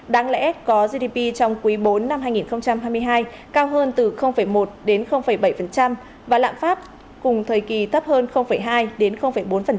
đáng lẽ có gdp trong quý bốn năm hai nghìn hai mươi hai cao hơn từ một đến bảy và lạm phát cùng thời kỳ thấp hơn hai đến bốn